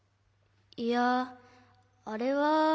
いやあれは。